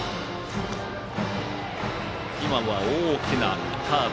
今は大きなカーブ。